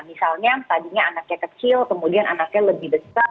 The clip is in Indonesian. misalnya tadinya anaknya kecil kemudian anaknya lebih besar